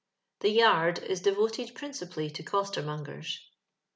The " yard " is devoted principally to coster mongers.